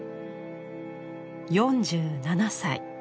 ４７歳。